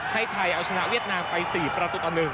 ให้ไทยเอาชนะเวียดนามไป๔ประตูต่อ๑